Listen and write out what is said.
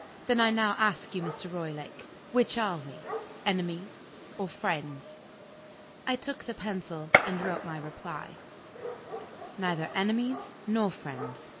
"Then I now ask you, Mr. Roylake: Which are we enemies or friends?" I took the pencil, and wrote my reply: "Neither enemies nor friends.